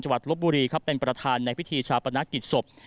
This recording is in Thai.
จัวร์ลบุรีครับเป็นประทานในพิธีชาปนาคติศพ